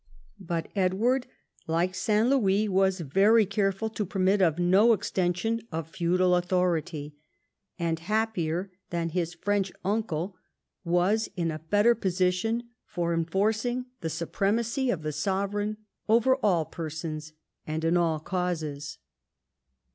But Edward, like St. Louis, Avas very careful to permit of no extension of feudal authority, and happier than his French uncle, was in a better position for enforcing the supremacy of the sovereign over all persons and in all causes.